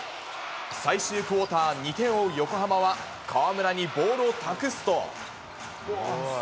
最終クオーター、２点を追う横浜は、河村にボールを託すと。